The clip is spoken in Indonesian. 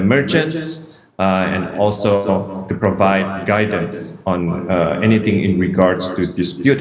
satu lagi hal yang kita perlukan adalah kita melihat beberapa tantangan bukan ini adalah